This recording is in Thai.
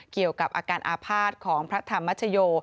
เกี่ยวกับอาการอาภาษณ์ของพระธรรมชโย